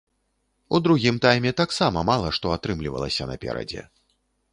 У другім тайме таксама мала што атрымлівалася наперадзе.